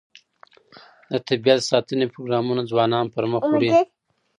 د طبیعت د ساتنې پروګرامونه ځوانان پرمخ وړي.